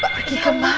pak pergi ke mana